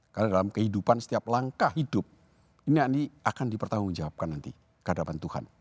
karena dalam kehidupan setiap langkah hidup ini akan dipertanggung jawabkan nanti kehadapan tuhan